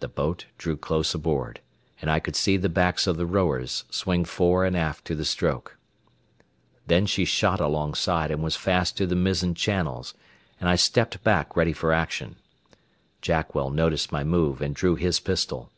The boat drew close aboard, and I could see the backs of the rowers swing fore and aft to the stroke. Then she shot alongside and was fast to the mizzen channels, and I stepped back ready for action. Jackwell noticed my move and drew his pistol.